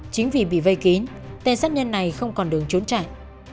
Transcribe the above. chính vì bị vây kín tên sát nhân này không còn đường trốn chạy